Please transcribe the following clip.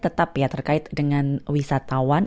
tetap ya terkait dengan wisatawan